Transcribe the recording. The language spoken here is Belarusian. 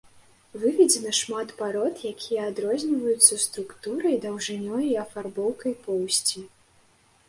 Выведзена шмат парод, якія адрозніваюцца структурай, даўжынёй і афарбоўкай поўсці.